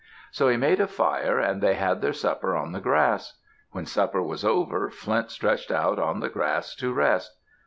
So he made a fire and they had their supper on the grass. When supper was over, Flint stretched out on the grass to rest.